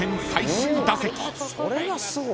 それがすごい。